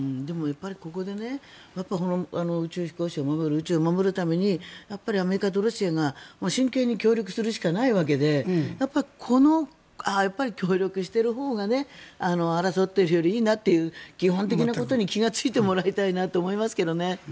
ここで宇宙飛行士と宇宙を守るためにアメリカとロシアが真剣に協力するしかないわけでこの協力しているほうが争っているよりいいなという基本的なことに気がついてもらいたいなと思いますけどね。